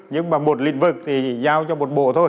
nhưng mà một lĩnh vực thì giao cho một bộ thôi